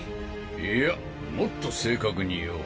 いやもっと正確に言おう。